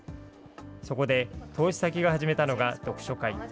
そこで、投資先が始めたのが読書会。